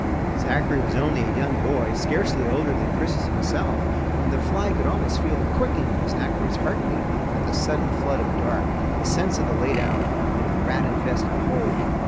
Zachary was only a young boy, scarcely older than Chris himself, and the fly could almost feel the quickening of Zachary's heartbeat at the sudden flood of dark, the sense of the late hour, and the rat infested hold.